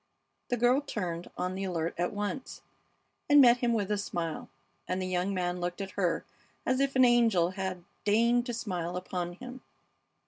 The girl turned, on the alert at once, and met him with a smile, and the young man looked at her as if an angel had deigned to smile upon him.